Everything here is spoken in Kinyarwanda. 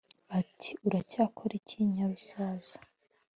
at: "uracyakora iki nyarusaza,